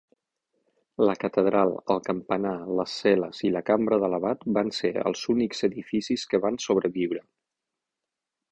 La catedral, el campanar, les cel·les i la cambra de l'abat van ser els únics edificis que van sobreviure.